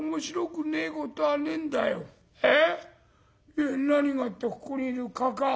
いや何がってここにいるかかあ。